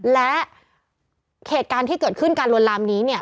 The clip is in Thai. และเขตการณ์ที่เกิดขึ้นการลวนลำนี้